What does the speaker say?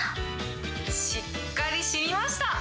しっかり染みました。